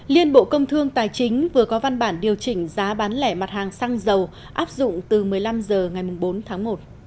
liên bộ công thương tài chính vừa có văn bản điều chỉnh giá bán lẻ mặt hàng xăng dầu áp dụng từ một mươi năm h ngày bốn tháng một